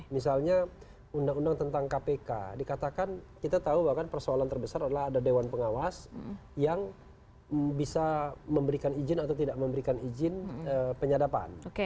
misalnya undang undang tentang kpk dikatakan kita tahu bahkan persoalan terbesar adalah ada dewan pengawas yang bisa memberikan izin atau tidak memberikan izin penyadapan